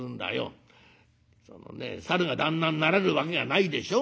そのねサルが旦那になれるわけがないでしょ。